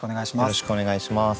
よろしくお願いします。